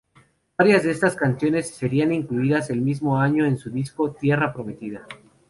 Varias de estas canciones serían incluidas el mismo año en su disco "Tierra prometida".